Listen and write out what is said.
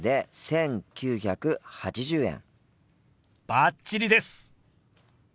バッチリです！